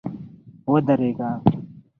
ودرېږه !